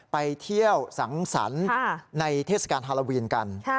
ไปเที่ยวสังสรรค์ในเทศกาลฮาโลวีนกัน